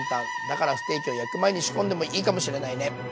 だからステーキを焼く前に仕込んでもいいかもしれないね。